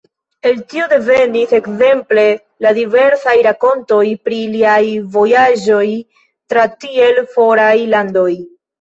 El tio devenis, ekzemple, la diversaj rakontoj pri liaj vojaĝoj tra tiel foraj landoj.